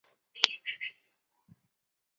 陈胜人。